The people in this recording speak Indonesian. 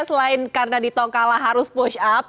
selain karena dito kalah harus push up